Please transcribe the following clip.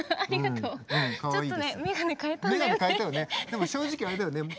でも正直あれだよね。